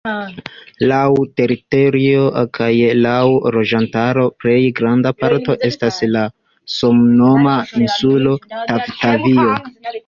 Laŭ teritorio kaj laŭ loĝantaro plej granda parto estas la samnoma insulo Tavi-Tavio.